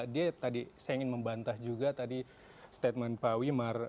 dia tadi saya ingin membantah juga tadi statement pak wimar